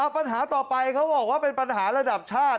ปัญหาต่อไปเขาบอกว่าเป็นปัญหาระดับชาติ